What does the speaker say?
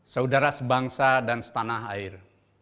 saudara sebangsa dan setanah air